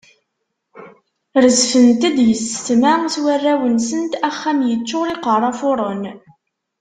Rezfent-d yessetma s warraw-nsent, axxam yeččur, iqerra fuṛen.